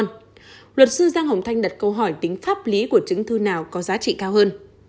luật sư giang hồng thanh đặt câu hỏi tính pháp lý của chứng thư nào có giá trị cao hơn